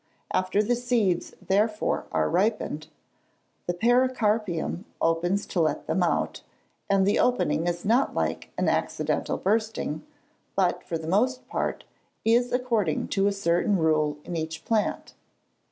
After the seeds therefore are ripened, the pericarpium opens to let them out, and the opening is not like an accidental bursting, but for the most part, is according to a certain rule in each plant.